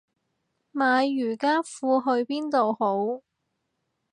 買瑜伽褲去邊度好